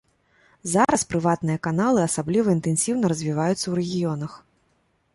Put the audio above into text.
Зараз прыватныя каналы асабліва інтэнсіўна развіваюцца ў рэгіёнах.